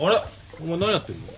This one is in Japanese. お前何やってんの？